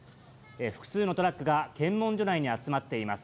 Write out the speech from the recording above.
複数のトラックが検問所内に集まっています。